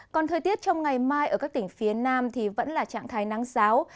còn thời tiết trong ngày mai ở các tỉnh phía nam thì vẫn là trạng thái nắng giáo